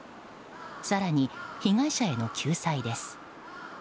更に、被害者への救済です。